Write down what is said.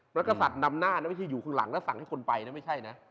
กษัตริย์นำหน้านะไม่ใช่อยู่ข้างหลังแล้วสั่งให้คนไปนะไม่ใช่นะ